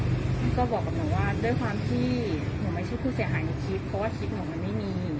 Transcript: พี่ก็บอกกับหนูว่าด้วยความที่หนูไม่ใช่ผู้เสียหายในคลิปเพราะว่าคลิปหนูมันไม่มี